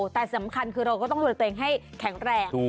แต่สำคัญคือเราก็ต้องดูแลตัวเองให้แข็งแรง